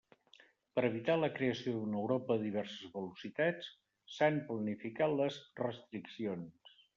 Per evitar la creació d'una Europa de diverses velocitats, s'han planificat les restriccions.